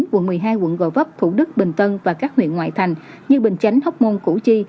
quận một mươi hai quận gò vấp thủ đức bình tân và các huyện ngoại thành như bình chánh hóc môn củ chi